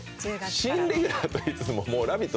新レギュラーといいつつ、「ラヴィット！」